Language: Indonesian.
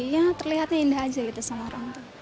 ya terlihatnya indah aja gitu sama orang tua